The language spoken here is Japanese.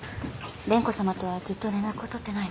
蓮子様とはずっと連絡を取ってないの？